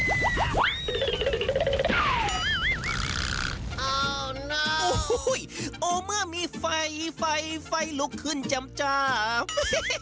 โอ้โน้วโอ้โหโอ้เมื่อมีไฟไฟไฟลุกขึ้นจำจาบ